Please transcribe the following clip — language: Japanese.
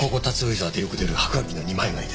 沢でよく出る白亜紀の二枚貝です。